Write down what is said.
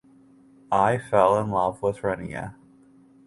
I fell in love with Renia.